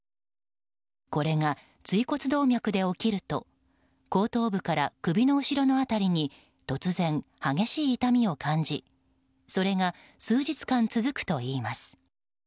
これが椎骨動脈で起きると後頭部から首の後ろの辺りに突然、激しい痛みを感じそれが数日間続くといいます。